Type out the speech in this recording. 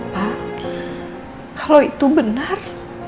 pa kalau itu benar